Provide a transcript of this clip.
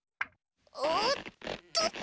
おっとっと！